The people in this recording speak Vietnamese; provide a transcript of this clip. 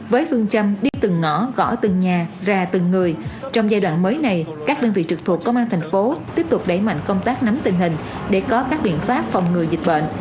với phương châm đi từng ngõ gõ từng nhà ra từng người trong giai đoạn mới này các đơn vị trực thuộc công an thành phố tiếp tục đẩy mạnh công tác nắm tình hình để có các biện pháp phòng ngừa dịch bệnh